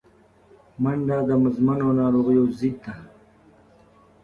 منډه د مزمنو ناروغیو ضد ده